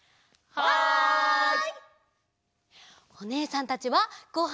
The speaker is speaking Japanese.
はい。